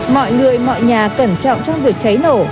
mọi người mọi nhà cẩn trọng trong việc cháy nổ